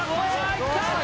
いった！